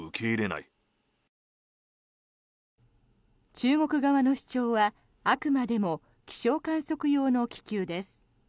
中国側の主張はあくまでも気象観測用の気球です。